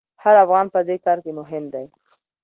هر افغان په دې کار کې مهم دی.